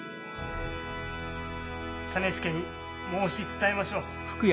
実資に申し伝えましょう。